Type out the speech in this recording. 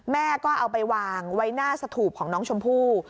แม่ก็เอาไปวางไว้หน้าสถูปของน้องชมพู่